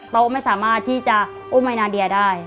ไม่สามารถที่จะอุ้มไอนาเดียได้